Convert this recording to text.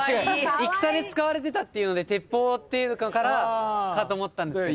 戦で使われてたっていうので鉄砲っていうのからかと思ったんですけど。